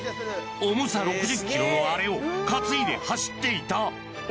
重さ６０ｋｇのあれを担いで走っていた。